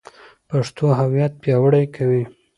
پښتو هویت پیاوړی کوي.